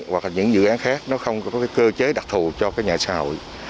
hoặc những dự án khác nó không có cái cơ chế đặc thù cho cái nhà xã hội